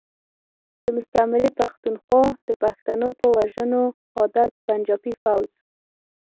د مستعمرې پختونخوا د پښتنو په وژنو عادت پنجابی فوځ.